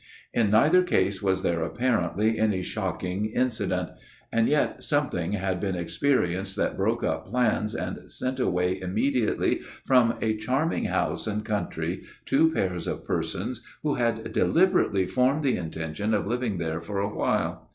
" In neither case was there apparently any MY OWN TALE 297 shocking incident ; and yet something had been experienced that broke up plans and sent away immediately from a charming house and country two pairs of persons who had deliberately formed the intention of living there for a while.